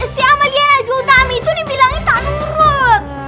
si amalia naju utami itu dibilangin tak nurut